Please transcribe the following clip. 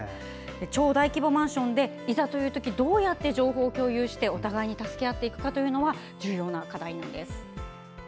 超大規模マンションでいざという時、どうやって情報を共有してお互いに助け合っていくかは重要な課題なんです。